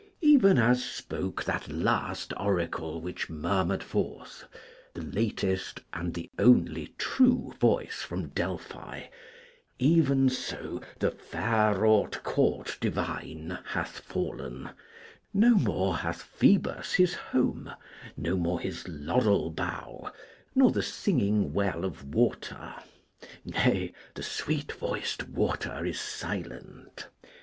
Even as spoke that last Oracle which murmured forth, the latest and the only true voice from Delphi, even so 'the fair wrought court divine hath fallen; no more hath Phoebus his home, no more his laurel bough, nor the singing well of water; nay, the sweet voiced water is silent.'